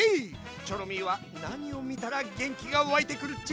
チョロミーはなにをみたらげんきがわいてくるっち？